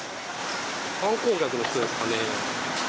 観光客の人ですかね？